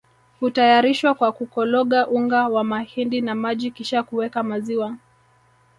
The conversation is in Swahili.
hutayarishwa kwa kukologa unga wa mahindi na maji kisha kuweka maziwa